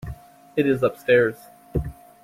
It is upstairs.